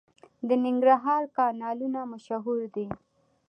د ننګرهار کانالونه مشهور دي.